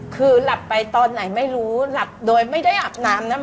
คือหลับไปตอนไหนไม่รู้หลับโดยไม่ได้อาบน้ำนะ